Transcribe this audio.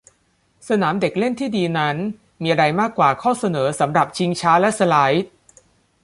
สนามเด็กเล่นที่ดีนั้นมีอะไรมากกว่าข้อเสนอสำหรับชิงช้าและสไลด์